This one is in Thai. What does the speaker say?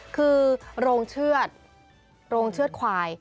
คือโรงเชือดโรงเชือดควาย